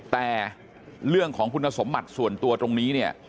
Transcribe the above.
แต่เรื่องของคุณสมบัติส่วนตัวตรงนี้เนี่ย